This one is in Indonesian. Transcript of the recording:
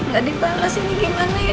gak dibalas ini gimana ya